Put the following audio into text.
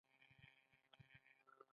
آیا دوی ته تقاعد او درملنه نه ورکوي؟